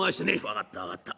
「分かった分かった。